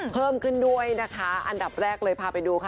เพิ่มด้วยอันดับแรกเลยภาพไปดู